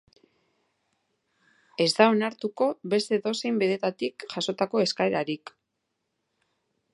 Ez da onartuko beste edozein bidetatik jasotako eskaerarik.